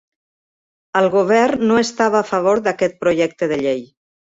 El govern no estava a favor d'aquest projecte de llei.